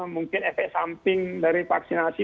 mungkin efek samping dari vaksinasi